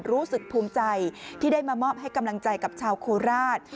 รู้สึกภูมิใจที่ได้มามอบให้กำลังใจกับชาวโคราช